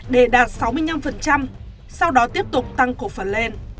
để đạt sáu mươi năm sau đó tiếp tục tăng cổ phần lên